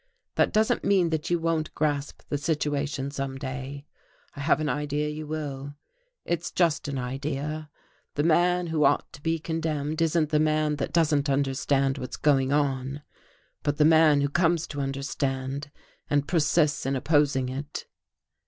That doesn't mean that you won't grasp the situation some day I have an idea you will. It's just an idea. The man who ought to be condemned isn't the man that doesn't understand what's going on, but the man who comes to understand and persists in opposing it."